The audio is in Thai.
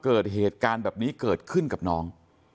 คุณยายบอกว่ารู้สึกเหมือนใครมายืนอยู่ข้างหลัง